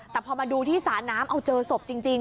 แต่พอมาดูที่สระน้ำเอาเจอศพจริง